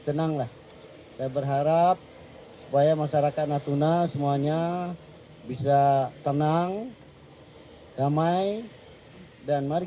tenanglah saya berharap supaya masyarakat natuna semuanya bisa tenang damai dan mari